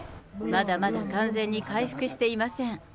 まだまだ完全に回復していません。